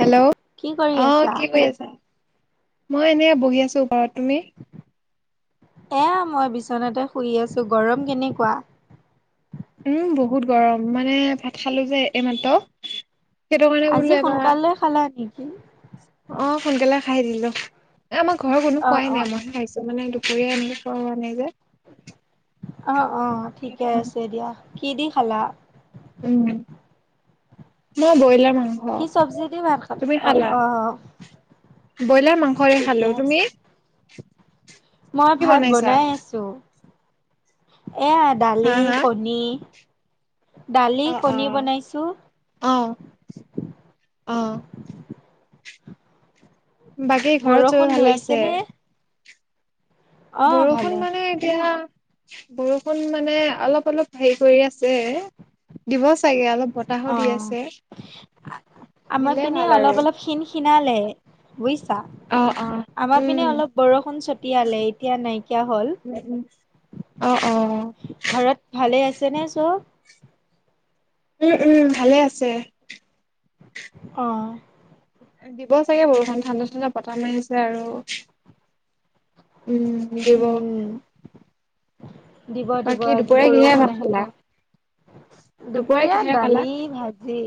Hello কি কৰি অ আছা? কি কৰি আছা মই এনেই বহি আছোঁ ঘৰত তুমি এয়া মই বিচনাতে শুই আছোঁ গৰম কেনেকুৱা উম বহুত গৰম মানে ভাত খালো যে এইমাত্ৰ সেইটোকানে আজি বলো এবাৰ সোনকালে খালা নেকি? অ সোনকালে খাই দিলোঁ আমাৰ ঘৰৰ কোনো অ', পোৱাই অ', নাই মইহে খাইছোঁ মানে য়ে এনেকুৱা হোৱা নাই যে অ অ ঠিকে আছে দিয়া কি দি খালা? উম, মই বইলাৰ কি চব্জিডি ভাত খালা? আহ, আহ। ব্ৰইলাৰ মাংসৰে খালো। তুমি? মই কি ভাত, বনাইছা? বনাই আছো। এয়া হা দালি, কণী। দালি, আহ, কণী আহ, বনাইছো। আহ, আহ। বাকী ঘৰত চবে বৰষুণ ভালে আছে? ধৰিছেনে? অ', বৰষুণ ভালে মানে এতিয়া বৰষুণ মানে অলপ- অলপ হেৰি কৰি আছে দিব চাগে অলপ বতাহো অ, দি আছে। আমাৰ দিলে পিনে ভাল আৰু অলপ-অলপ খিন-খিন বুজিছা। অ', অ', আমাৰ উম, পিনে অলপ বৰষুণ ছটিয়ালে। এতিয়া নাইকিয়া হল। উম, উম, অ', অ', ঘৰত ভালেই আছেনে চব? উম, উম ভালে আছে। অঁ দিব চাগে বৰষুণ ঠাণ্ডা-ঠাণ্ডা পতা মাৰিছে আৰু উম, দিব। উম, দিব, দিব বাকী আজি দুপৰীয়া কিহেৰে বৰষুণ ভাত আহিব। খালা? দুপৰীয়া কিহেৰে খালা? দালি, ভাজি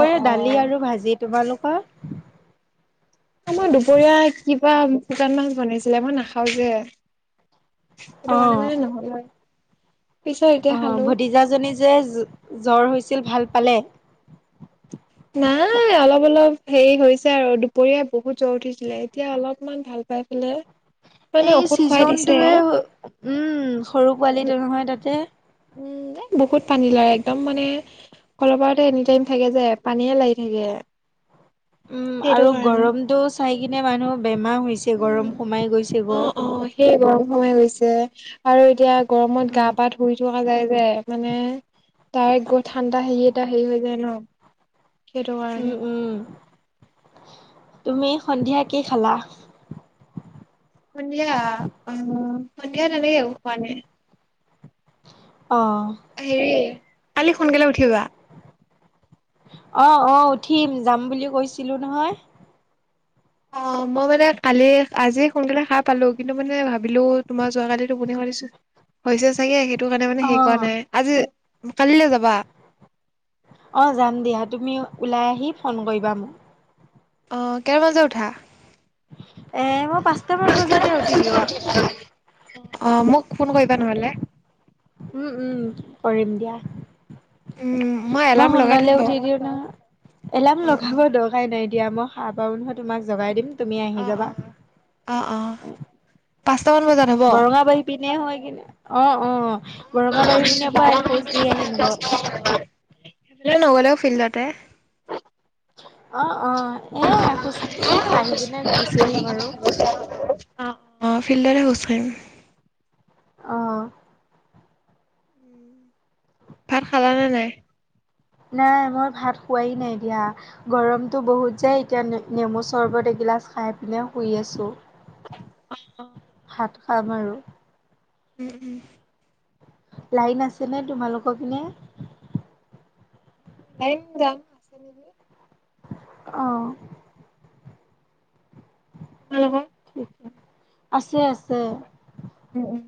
অ', দালি অ', আৰু ভাজি। তোমালোকৰ? মই দুপৰীয়া কিবা শুকান মাছ বনাইছিলে মই নাখাও যে। সেইটো কাৰণে মানে নহ'ব আহ ভতিজাজনী যে জ্বৰ হৈছিল ভাল পালে। নাই অলপ-অলপ হেৰি হৈছে আৰু দুপৰীয়াই বহুত জ্বৰ উঠিছিলে। এতিয়া অলপমান ভাল পাই চিলে। এই চিজনটয়ে উম, সৰু উম পোৱালিটো নহয় তাতে। উম, বহুত পানী লাগাৰে একদম। মানে ফলৰ পৰাতে এনি টাইম থাকে যে পানী য়ে লাগি থাকে। উম সেইটো আৰু কাৰণে গৰমটো চাই কিনে মানুহ বেমাৰ হৈছে উম গৰম সোমাই গৈছে অ গ'। অ সেই গৰম সোমাই গৈছে আৰু এতিয়া গৰমত গা উম, পা ধুই যায় যে, মানে তাৰ গৰ ঠাণ্ডা হেৰি এটা হেৰি হৈ যায় ন। সেইটোকাৰণে। উম, তুমি সন্ধিয়া কি খালা? সন্ধিয়া, উম সন্ধিয়া তেনেকে একো খোৱা নাই। অ', হেৰি কালি সোনকালে উঠিবা। অ, আহ উঠিম যাম বুলি কৈছিলো নহয়। অ, মই মানে কালি আজি সোনকালে সাৰ পালো। কিন্তু, মানে ভাবিলো তোমাৰ যোৱা কালি টোপনি খতি হৈছে চাগে, সেইটো কাৰণে মানে সে কৰা অ', নাই। আজি কালিলৈ যাবা? অ, যাম দিয়া। তুমি ওলাই আহি ফোন কৰিবা মোক। অ, কেৰ বজাত উঠা? এ, মই পাঁচটাামান বজাতে উঠি দিওঁ। অ, মোক কোন কৰিবা নহ'লে। উম, উম কৰিম দিয়া। উম মই এলাৰ্ম লগাই থম সোনকালে বাৰু উঠি দিও ন এলাৰ্ম উম উম লগাব দৰকাৰাই নাই। এতিয়া মই সাৰ পাও নহয়, তোমাক জগাই দিম তুমি অ আহি অ যাবা। অ অ পাঁচটামান বজাত হ'ব বৰঙা বাহি পিনে হয় কিনে। অ, অ, বৰঙা বাৰী পিনে পৰাই এখোজ দি আহিম ক। নগ'লেও ফিল্ডতে। অ, অ এখোজ কাঢ়ি কিনে গুচি আহিম আৰু। অ, অ ফিল্ডত তে খোজ কাঢ়িম। আহ। ভাত খালানে নাই। নাই মই ভাত খোৱাই নাই দিয়া গৰমতটো বহুত যায় এতিয়া নেমু চৰ্বত এগিলাচ খাই পিনে শুই আছে। আছো অ অ ভাত খাম আৰু। উম উম। লাইন আছেনে তোমালোকৰ পিনে। লন যাম আছে নি। আহ। ভাল। ঠিকে আছে আছে। উম উম।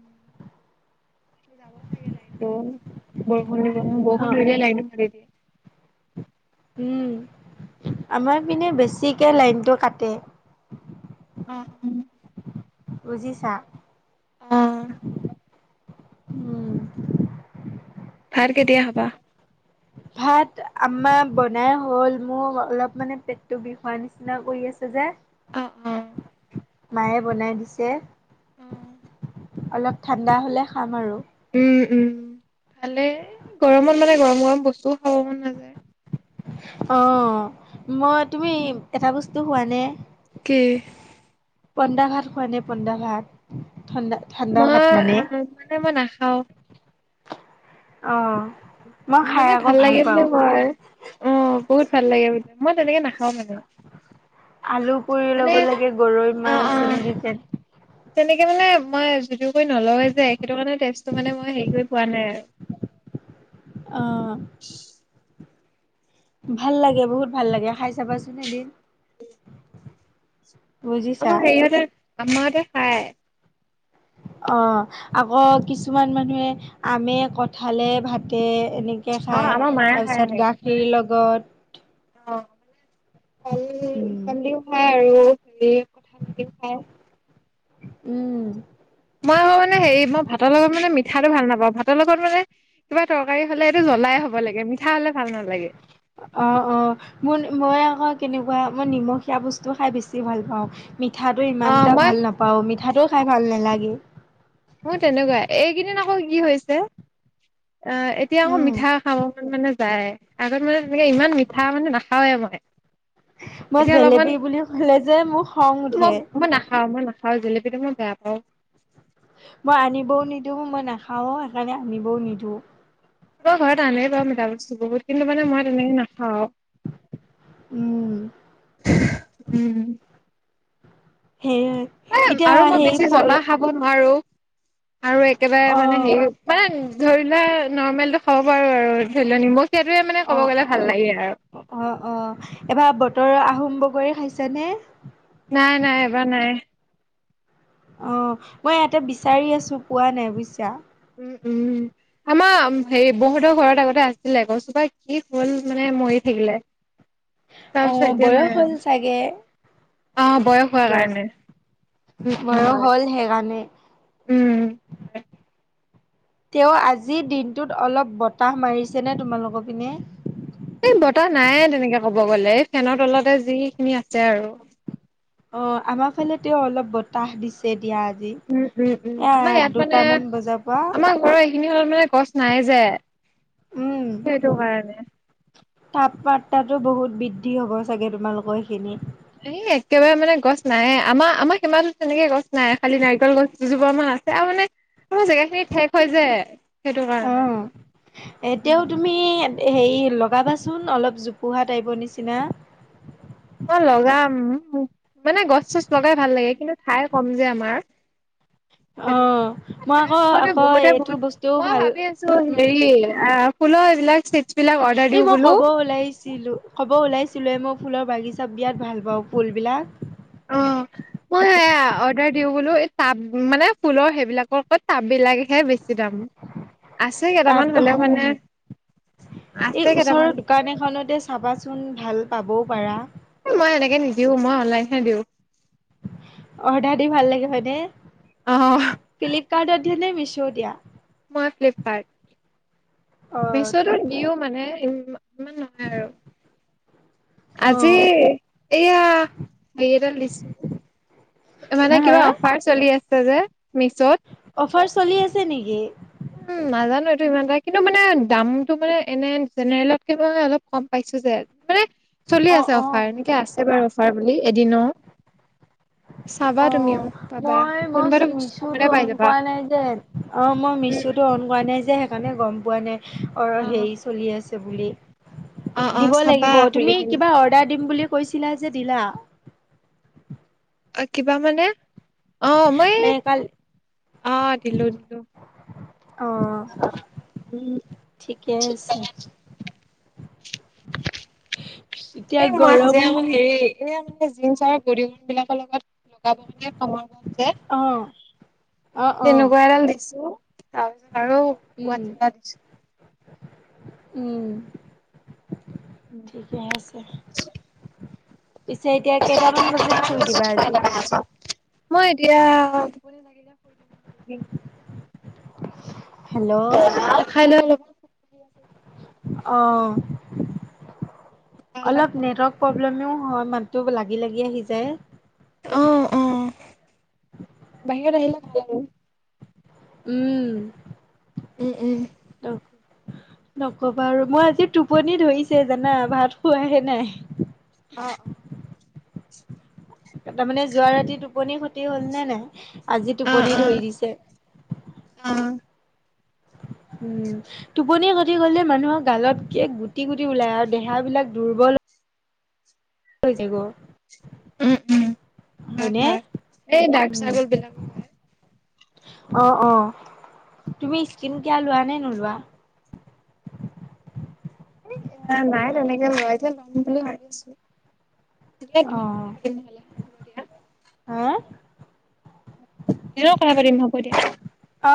যাব লাগে লাইনতো বৰষুণ দি বৰষু অ', মিলে লাইনত মাৰি দিয়ে। উম। আমাৰ পিনে বেছিকে লাইনটো কাটে। অ উম বুজিছা। আহ। উম ভাত কেতিয়া খাবা- ভাত আমাৰ বনাই হল মোৰ অলপ মানে পেটটো বিষোৱা নিচিনা কৰি আছে যে। অ অ মায়ে বনাই দিছে অ অলপ ঠাণ্ডা হলে খাম আৰু। উম উম ভালে গৰমত মানে গৰম গৰম বস্তুও খাব মন নাযায়। অ মই তুমি এটা বস্তু খোৱানে। কি পন্দা ঘাত খোৱা নে পন্দা ভাত ঠণ্ডা ঠাণ্ডা ভাত মানে। মই মানে মই নাখাও অ মই খাই মানে আকৌ ভাল লাগে ব পাওঁ। মই অ বহুত ভাল লাগে ব মই তেনেকে নাখো। আলু পুৰি মানে ল'ব লাগে গৰৈ অ অ মাছ এনেকি তে। তেনেকে মানে মই যিটো কৰি নলয় যে সেইটো কাৰেটো মে ম। কোৱা নাই আৰু। অ' ভাল লাগে বহুত ভাল লাগে খাই চাবাচোন এদিন। বুজিছা আমাৰ সেৰিহতে আমাৰতে খাই। অ আকৌ কিছুমান মানুহে আমে কঠালে ভাতে। এনেকৈ অ খায় আমাৰ মায়ে খায় তাৰপিছত এনেকে গাখীৰ লগত। অ মানে উম কলিও হয় আৰু হেৰি। কথা লাগে পাই। উম মই আকৌ মানে হেৰি মই ভাতৰ লগত মানে মিঠাটো ভাল নাপাওঁ ভাতৰ লগত মানে কিবা। তৰকাৰী হ'লে এইটো জ্বলাই হ'ব লাগে মিঠা হ'লে ভাল নালাগে? অ অ ম মই আকৌ কেনেকা। পোৱা মই নিমখীয়া বস্তু খাই বেছি ভাল পাওঁ মিঠাটো অ ইমান এটা মই ভাল নাপাও মিঠাটো। খাই ভাল নালাগে। ম তেনেকুৱা এইকেইদিন আকৌ কি হৈছে। অ এতিয়া আকৌ উম মিঠা খাব মানে। যাই আগত মানে তেনেকে ইমান মিঠা মানে নাখাওৱে মই। মই এতিয়া জেলেপি অলপমান বুলি ক'লে যে মোৰ খং মই উঠে মই নাখাও মই নাখাও জপ। এইটো মই বেয়া পাওঁ। মই আনিবও নিদিওঁ মই নাখাও সেইকাৰণে আনিবও নিদিওঁ। ঘৰত আনে বাৰ মাবস্তু বহুত কিন্তু মানে মই তেনেকে নাখাওঁ। উম উম সেই এ এতিয়া আৰু মই সেই বেছি ফল জনা খাব নোৱাৰো। আৰু একেবাৰে অ মানে হেৰি মানে ধৰি লোৱা। নৰ্মেলটো খাব পাৰো আৰু ধৰিলা নিমখ- অঁ অঁ অঁ অঁ এবাৰ বতৰৰ আহোম বগৰি খাইছেনে! নাই নাই এবাৰ নাই অঁ মই ইয়াতে বিচাৰি আছো পোৱা নাই বুজিছা উম উম আমাৰ হেৰি বহুতৰ ঘৰত আগতে আছিলে কচোপা কি হল মানে মৰি থাকিলে অ তাৰপিছত এতিয়া বয়স নাই হ'ল চাগে আহ বয়স হোৱাৰ গছ কাৰণে উম উম বয়স হয় হ'ল সেইকাৰণে উম উ হয় তেওঁ আজিৰ দিনটোত অলপ বতাহ মাৰিছেনে তোমালোকৰ পিনে এই বতাহ নাইে তেনেকে ক'ব গ'লে এই ফেনৰ তলতে যিখিনি আছে আৰু অঁ আমাৰ ফালে তেওঁ অলপ বতাহ দিছে দিয়া আজি উম উম উম আমাৰ এ দুটামান বজাৰ পৰা হত মানে গছ নাই যে সেইটো কাৰণে তাপমাত্ৰাতটো বহুত বৃদ্ধি হ'ব চাগে তোমালোকৰ এইখিনি এ একেবাৰে মানে গছ নাইে আমাৰ আমাৰ সীমাতো তেনেকে গছ নাই খালি নাৰিকল গছ দুজোপামান আমাৰ আছে আৰু মানে মোৰ জেগা খিনি ঠেষ হৈ যায় সেইটো কাৰণে উম এতিয়াও তুমি হেৰি লগাবাচোন অলপ জোপোহা টাইপৰ নিচিনা অই লগাম মানে গছ চছ লগাই ভাল লাগে কিন্তু ঠাই কম যে আমাৰ অ সেইটো কাৰণে মই ঠাই আকৌ সময়ত আকৌ বহুতে এইটো বহুত বস্তুও মই ভাল ভাবি আছো উম হেৰি অ ফুলৰ এই বিলাক- অৰ্ডাৰ এই দিও মই বোলো কব ওলাইছিলো ক'ব ওলাইছিলো এ মোক- ফুলৰ বাগিচা বিৰাট ভাল পাওঁ অ ফুলবিলাক- মই অৰ্ডাৰ দিও বোলো তাব মানে ফুলৰ সেইবিলাকৰ তাব ব বিলাকহে বেছি। চ দাম আছে তাপ কেইটামান হ'লেও মানে। এই আছে কেইটামান ওচৰৰ দোকান এখনতে চাবাচোন ভাল পাব মই এনেকে নিদিও মই অনলাইনহে দিওঁ। অৰ্ডাৰ দি ভাল লাগে হয়নে অ ফ্লিপকাৰ্তে- শি' দিয়া মই ফ্প অ ম ঠিকে মানে- ইমান নহয় আৰু অ আজি এয়া হ দিছো মানে হা হা কিবা অফাৰ চলি আছে যে মিছত অফাৰ চলি আছে নেকি! উম নাজানো এইটো ইমান এটা কিন্তু মানে দামটো মানে এনে জেনেৰেলত কি অলপ কম পাইছো যে মানে চলি অ', আছে অফাৰ অ', এনেকে আছে বাৰু অফাৰ বুলি এদিনো অঁ মই মই কোনোবাতো বস্তু মিছোতো কমতে পাই যাবা কোৱা নাই যে অঁ অঁ উম মিছোটো অন কৰা নাই যে সেইকাৰণে গম পোৱা নাই অঁ উম হেৰি চলি আছে বুলি। অ অ অ দিব চাবা লাগিব খুলি তুমি পিনে কিবা অৰ্ডাৰ দিম বুলি কৈছিলা যে দিলা। অঁ কিবা মানে। আহ মই এ কাল আঁহ দিলো দিলো। অঁ উম, ঠিকেই আছে। এতিয়া এই মই যে গৰম আমাৰ হেৰি এ- জিন্ছ আৰু গৰি গুণ বিলাকৰ লগত লগাব মানে সময় যে অ', অ', অ', তেনেকুৱা এডাল দিছো। উম। তছ বাৰ দিছো। উম ঠিকে আছে। পিছে এতিয়া কেইটামান বজাত শুই দিবা আজি মই এতিয়া। [unintelligible] আৰু খাই লৈ অলপ- অ অলপ নেটৱৰ্ক প্ৰব্লেম- হয় মাতটো লাগি লাগি আহি যায়। অ অ বাহিৰত আহিলে ভাল। আৰু উম উম উম নকবা আৰু মই আজি টোপনি ধৰিছে জানা ভাত খোৱাহে নাই অ অ তাৰমানে যোৱা ৰাতি টোপনি ক্ষতি হল নে নাই আজি অ', অ', টোপনি ধৰি অ দিছে। অ [unintelligible] উম টোপনি ক্ষতি গলে মানুহৰ গালত গুটি গুটি ওলায় আৰু দেহাবিলাক দুৰ্বল। হৈ যাব। উম, উম, হয়, হয়নে হয়। এই ডাৰ্ক উম। চাৰ্কল বিলাকো হয়, অ অ তুমি স্কিন কিয় লোৱা নে নোলোৱা। এ এ নাই তেনেকে লয় যে লম বুলি ভাবিছো। দিয়া অ দিনত কথা পাতিম নহলে হা হ'ব দিয়া হা দিনত কথা পাতিম হব দিয়া। অ